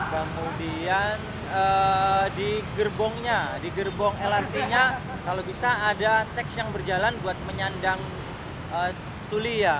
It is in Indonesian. kemudian di gerbongnya di gerbong lrt nya kalau bisa ada teks yang berjalan buat menyandang tuli ya